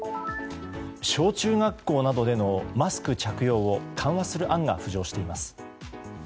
小中学校などでのマスク着用を緩和する案が浮上しています。